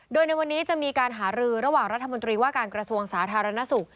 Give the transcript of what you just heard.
โดยในวันนี้จะมีการหารือระหว่างรัฐมนตรีว่าการกระทรวงสาธารณสุข